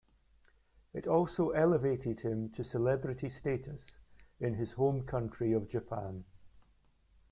It also elevated him to celebrity status in his home country of Japan.